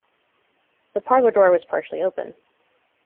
The parlour door was partially open.